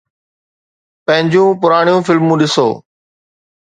پنهنجون پراڻيون فلمون ڏسو.